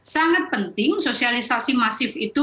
sangat penting sosialisasi masif itu